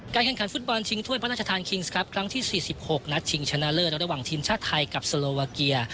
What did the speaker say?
แข่งขันฟุตบอลชิงถ้วยพระราชทานคิงส์ครับครั้งที่๔๖นัดชิงชนะเลิศระหว่างทีมชาติไทยกับโซโลวาเกีย